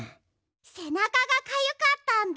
せなかがかゆかったんだ。